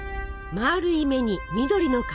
まるい目に緑の体。